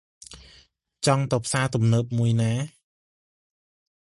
ចង់ទៅផ្សារទំនើបមួយណា?